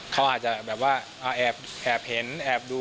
เขาอาจจะแบบว่าแอบเห็นแอบดู